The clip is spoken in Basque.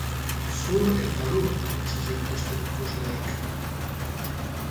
Zur eta lur utzi zituzten ikusleak.